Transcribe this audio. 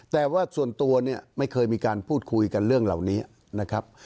แต่ว่าส่วนตัวเนี่ยไม่เคยมีการพูดคุยกันเรื่องเหล่านี้นะครับ